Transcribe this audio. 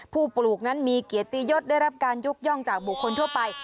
ปลูกนั้นมีเกียรติยศได้รับการยกย่องจากบุคคลทั่วไป